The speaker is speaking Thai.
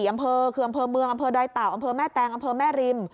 อำเภอคืออำเภอเมืองอำเภอดอยเต่าอำเภอแม่แตงอำเภอแม่ริม